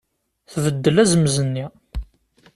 Tbeddel azemz-nni.